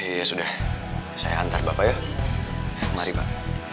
ya sudah saya hantar bapak ya mari pak